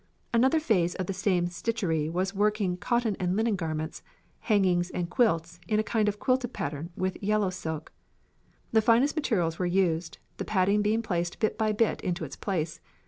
Another phase of the same stitchery was working cotton and linen garments, hangings and quilts in a kind of quilted pattern with yellow silk. The finest materials were used, the padding being placed bit by bit into its place.